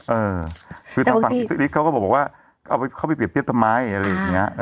เออคือทางฝั่งอิทธิภิกษ์เขาก็บอกว่าเขาไปเปรียบเทียบทำไมอะไรอย่างนี้